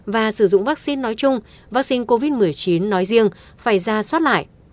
và sử dụng vaccine nói chung vaccine covid một mươi chín nói riêng phải ra soát lại